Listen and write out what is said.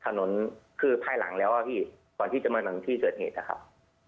ถนนคือภายหลังแล้วอะพี่ก่อนที่จะมาถึงที่เกิดเหตุนะครับ